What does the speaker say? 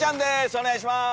お願いします。